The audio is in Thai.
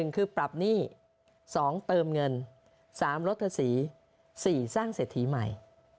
๑คือปรับหนี้๒เติมเงิน๓ลดภาษี๔สร้างเศรษฐีใหม่